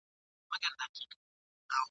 اوس د شیخانو له شامته شهباز ویني ژاړي !.